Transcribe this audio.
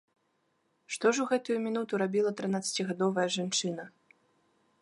Што ж у гэтую мінуту рабіла трынаццацігадовая жанчына?